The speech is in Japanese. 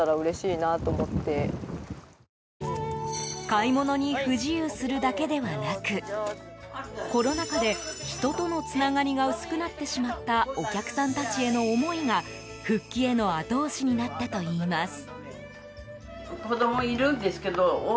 買い物に不自由するだけではなくコロナ禍で人とのつながりが薄くなってしまったお客さんたちへの思いが復帰への後押しになったといいます。